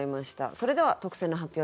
それでは特選の発表です。